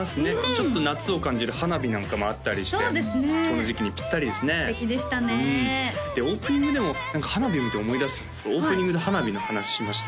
ちょっと夏を感じる花火なんかもあったりしてこの時期にピッタリですね素敵でしたねオープニングでも花火見て思い出したんですけどオープニングで花火の話しました